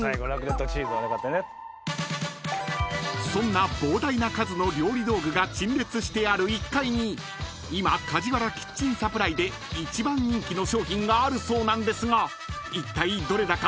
［そんな膨大な数の料理道具が陳列してある１階に今カジワラキッチンサプライで一番人気の商品があるそうなんですがいったいどれだか分かりますか？］